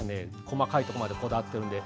細かいところまでこだわってるので。